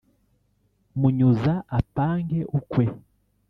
Munyuza apange ukwe